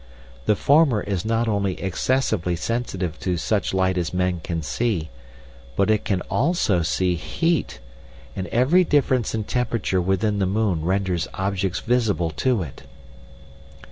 The former is not only excessively sensitive to such light as men can see, but it can also see heat, and every difference in temperature within the moon renders objects visible to it.